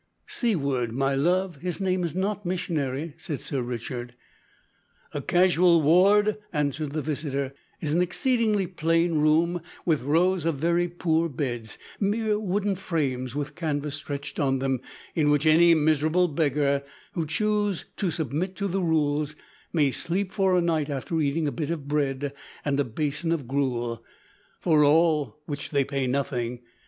"Seaward, my love, his name is not Missionary," said Sir Richard. "A casual ward," answered the visitor, "is an exceedingly plain room with rows of very poor beds; mere wooden frames with canvas stretched on them, in which any miserable beggars who choose to submit to the rules may sleep for a night after eating a bit of bread and a basin of gruel for all which they pay nothing.